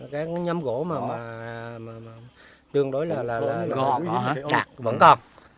cái nhâm gỗ mà tương đối là vẫn còn